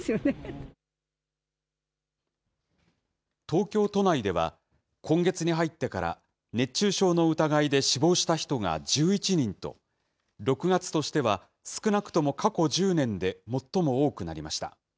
東京都内では、今月に入ってから熱中症の疑いで死亡した人が１１人と、６月としては少なくとも過去１０年で最も多くなりました。